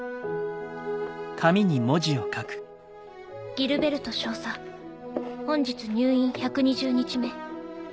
「ギルベルト少佐本日入院１２０日目。